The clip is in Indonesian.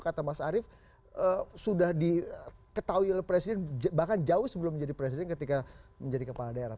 kata mas arief sudah diketahui oleh presiden bahkan jauh sebelum menjadi presiden ketika menjadi kepala daerah